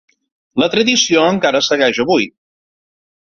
La tradició encara segueix avui.